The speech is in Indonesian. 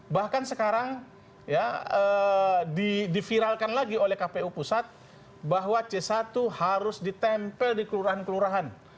bahkan sekarang ya diviralkan lagi oleh kpu pusat bahwa c satu harus ditempel di kelurahan kelurahan